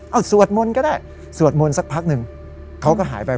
เอาสวดมนต์ก็ได้สวดมนต์สักพักหนึ่งเขาก็หายไป